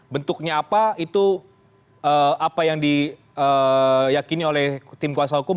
bentuknya apa itu apa yang diyakini oleh tim kuasa hukum